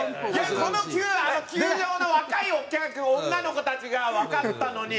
この球場の若いお客女の子たちがわかったのに。